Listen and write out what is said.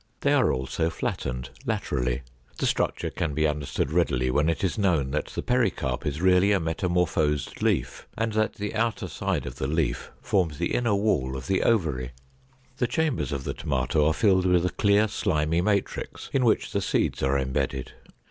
They are also flattened laterally. The structure can be understood readily when it is known that the pericarp is really a metamorphosed leaf and that the outer side of the leaf forms the inner wall of the ovary. The chambers of the tomato are filled with a clear, slimy matrix in which the seeds are embedded.